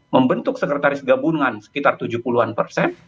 membentuk sekretaris gabungan sekitar tujuh puluh an persen